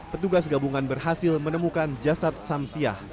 petugas gabungan berhasil menemukan jasad samsiah